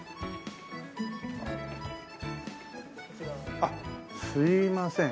あっすいません。